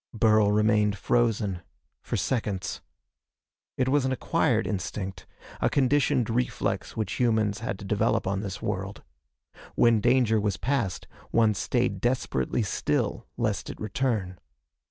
Burl remained frozen, for seconds. It was an acquired instinct; a conditioned reflex which humans had to develop on this world. When danger was past, one stayed desperately still lest it return.